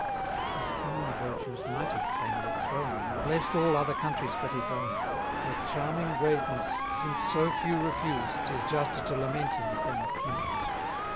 His kingly virtues might have claim'd a throne, And bless'd all other countries but his own. But charming greatness since so few refuse, 'Tis juster to lament him than accuse.